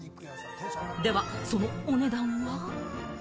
では、そのお値段は？